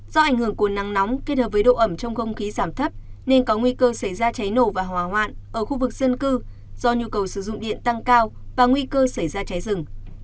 do ảnh hưởng của nắng nóng kết hợp với độ ẩm trong không khí giảm thấp nên có nguy cơ xảy ra cháy nổ và hỏa hoạn ở khu vực dân cư do nhu cầu sử dụng điện tăng cao và nguy cơ xảy ra cháy rừng